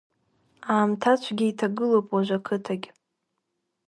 Аамҭацәгьа иҭагылоуп уажә ақыҭагь…